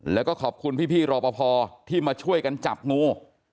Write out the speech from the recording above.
แล้วก็ขอบคุณพี่รอปภที่มาช่วยกันจับงู